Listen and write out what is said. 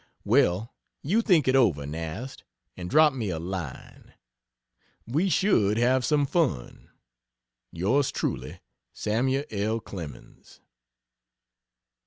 Well, you think it over, Nast, and drop me a line. We should have some fun. Yours truly, SAMUEL L. CLEMENS.